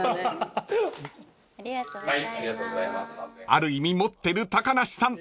［ある意味持ってる高梨さん